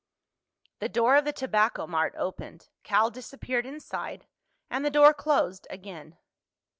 The door of the Tobacco Mart opened, Cal disappeared inside, and the door closed again.